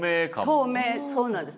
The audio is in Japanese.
透明そうなんです。